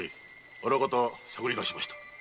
あらかた探り出しました。